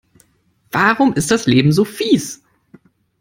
Warum ist das Leben so fieß?